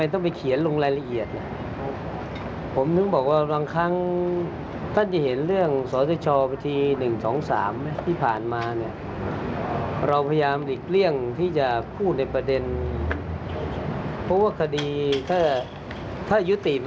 ถ้ายุติมันจะยุติที่ศาลใช่มั้ยครับ